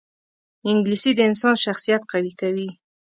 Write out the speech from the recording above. انګلیسي د انسان شخصیت قوي کوي